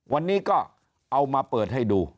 วันนี้ก็เอามาเปิดให้ดู